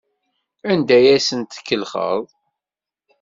Anda ay asen-tkellxeḍ?